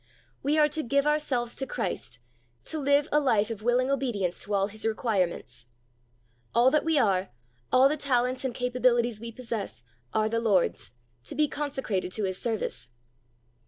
We are to give ourselves to Christ, to live a life of willing obedience to all His requirements. All that we are, all the talents and capabilities we possess, are the Lord's, to be consecrated to His service.